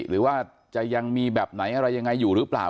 หรือว่าจะยังมีแบบไหนอะไรยังไงอยู่หรือเปล่า